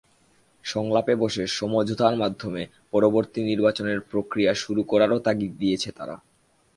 সংলাপে বসে সমঝোতার মাধ্যমে পরবর্তী নির্বাচনের প্রক্রিয়া শুরু করারও তাগিদ দিয়েছে তারা।